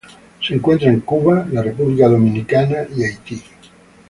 Se encuentra en Cuba, la República Dominicana y Haití.